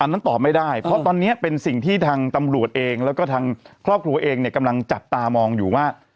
นั้นตอบไม่ได้เพราะตอนนี้เป็นสิ่งที่ทางตำรวจเองแล้วก็ทางครอบครัวเองเนี่ยกำลังจับตามองอยู่ว่า